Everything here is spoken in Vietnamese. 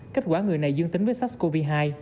kết quả người này dương tính với sars cov hai